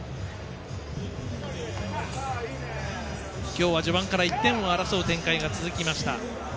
今日は序盤から１点を争う展開が続きました。